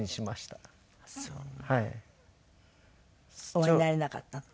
お会いになれなかったの？